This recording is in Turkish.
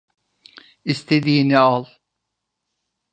İstediğini al.